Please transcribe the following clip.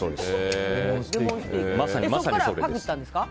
そこからパクったんですか？